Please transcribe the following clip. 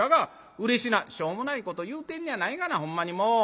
「しょうもないこと言うてんのやないがなほんまにもう。